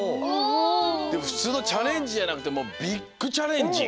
でもふつうのチャレンジじゃなくてビッグチャレンジ！